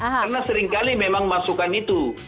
karena seringkali memang masukan itu